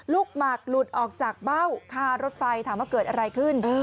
หมักหลุดออกจากเบ้าคารถไฟถามว่าเกิดอะไรขึ้น